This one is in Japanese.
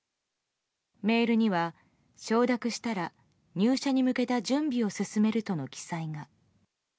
メールには、承諾したら入社に向けた準備を進めるとの記載が。